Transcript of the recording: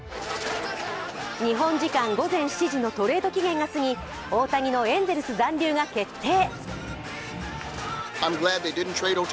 日本時間午前７時のトレード期限が過ぎ、大谷のエンゼルス残留が決定。